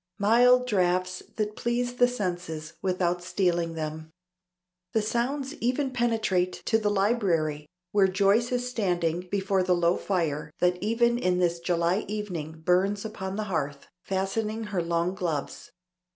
Mild draughts that please the senses without stealing them. The sounds even penetrate to the library, where Joyce is standing before the low fire, that even in this July evening burns upon the hearth, fastening her long gloves.